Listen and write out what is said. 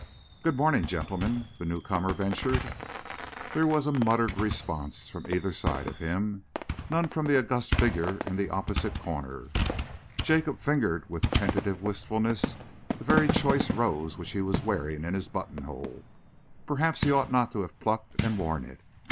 "Good morning, gentlemen," the newcomer ventured. There was a muttered response from either side of him, none from the august figure in the opposite corner. Jacob fingered with tentative wistfulness the very choice rose which he was wearing in his buttonhole. Perhaps he ought not to have plucked and worn it.